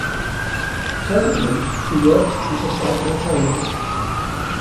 Currently, she works as a psychotherapist.